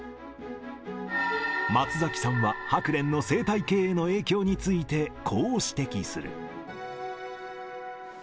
松崎さんはハクレンの生態系への影響について、こう指摘する。